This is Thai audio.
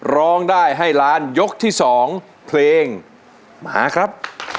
ร้องได้ให้ล้านยกที่๒เพลงมาครับ